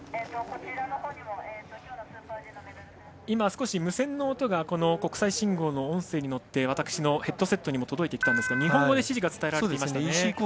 今、無線の音が国際信号の音声に乗って私のヘッドセットにも届いてきたんですが日本語で指示が伝えられましたね。